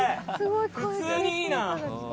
普通にいいな。